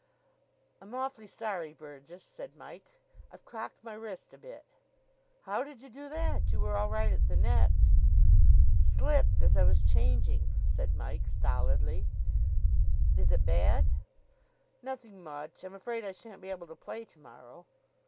"I'm awfully sorry, Burgess," said Mike. "I've crocked my wrist a bit." "How did you do that? You were all right at the nets?" "Slipped as I was changing," said Mike stolidly. "Is it bad?" "Nothing much. I'm afraid I shan't be able to play to morrow."